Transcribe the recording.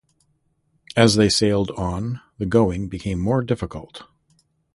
As they sailed on, the going became more difficult.